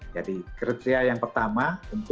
jadi kriteria yang pertama